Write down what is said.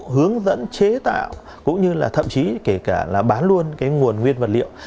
hướng dẫn chế tạo cũng như là thậm chí kể cả bán luôn nguồn nguyên vật liệu